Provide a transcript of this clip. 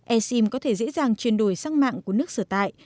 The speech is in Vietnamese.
e sim có thể dễ dàng chuyển đổi sang mạng của nước sở tại